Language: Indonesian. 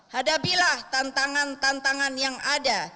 hadapilah tantangan tantangan yang ada